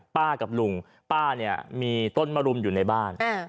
กับลุงป้าเนี่ยมีต้นมะรุมอยู่ในบ้าน